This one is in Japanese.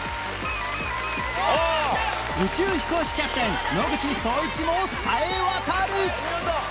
宇宙飛行士キャプテン野口聡一もさえわたる！